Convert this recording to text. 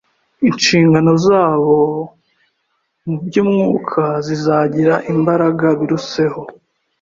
inshingano zabo mu by’umwuka zizagira imbaraga biruseho